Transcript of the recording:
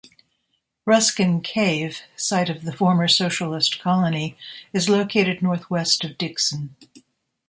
Ruskin Cave, site of the former socialist colony, is located northwest of Dickson.